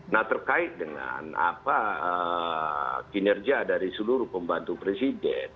nah terkait dengan apa kinerja dari seluruh pembantu presiden